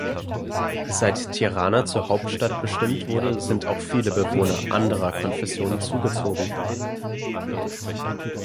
Seit Tirana zur Hauptstadt bestimmt wurde, sind auch viele Bewohner anderer Konfessionen zugezogen.